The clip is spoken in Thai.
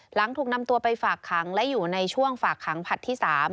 หลังถูกนำตัวไปฝากขังและอยู่ในช่วงฝากขังผลัดที่๓